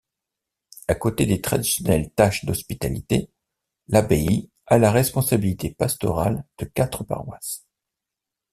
À côté des traditionnelles tâches d'hospitalité, l'abbaye a la responsabilité pastorale de quatre paroisses.